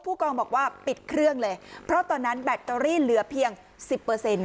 กองบอกว่าปิดเครื่องเลยเพราะตอนนั้นแบตเตอรี่เหลือเพียงสิบเปอร์เซ็นต์